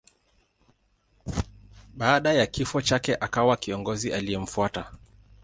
Baada ya kifo chake akawa kiongozi aliyemfuata.